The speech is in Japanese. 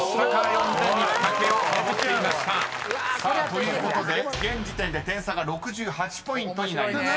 ［ということで現時点で点差が６８ポイントになりました］